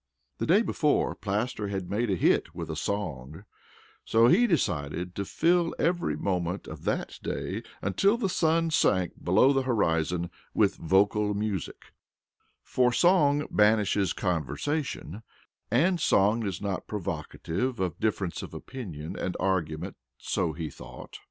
The day before Plaster had made a hit with a song, so he decided to fill every moment of that day until the sun sank below the horizon with vocal music, for song banishes conversation and song is not provocative of difference of opinion and argument so he thought.